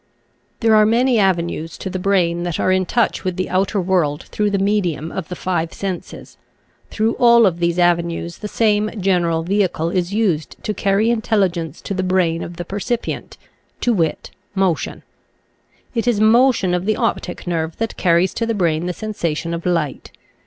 There are many avenues to the brain that are in touch with the outer world through the medium of the five senses. Through all of these avenues the same general vehicle is used to carry intelligence to the brain of the percipient — to wit, motion. It is motion of the optic nerve that carries to the brain the sensation of light.